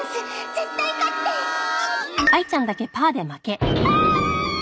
絶対勝ってポン！